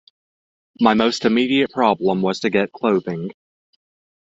My most immediate problem was to get clothing.